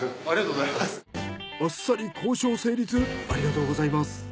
ありがとうございます。